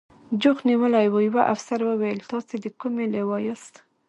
جوخت نیولي و، یوه افسر وویل: تاسې د کومې لوا یاست؟